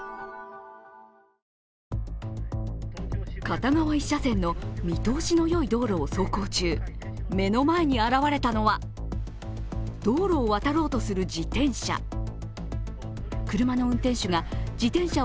片側１車線の見通しのよい道路を走行中、目の前に現れたのは道路を渡ろうとする自転車。